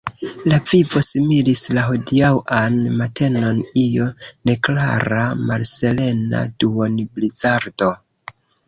La vivo similis la hodiaŭan matenon – io neklara, malserena duonblizardo.